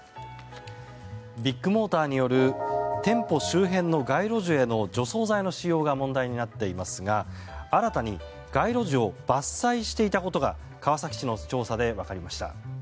ビッグモーターによる店舗周辺の街路樹への除草剤の使用が問題になっていますが新たに街路樹を伐採していたことが川崎市の調査で分かりました。